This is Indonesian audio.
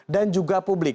dan juga publik